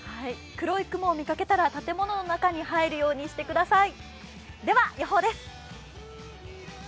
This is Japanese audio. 黒い雲を見かけたら建物の中に入るようにしてください。